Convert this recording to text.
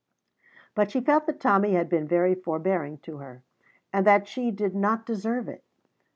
But she felt that Tommy had been very forbearing to her, and that she did not deserve it.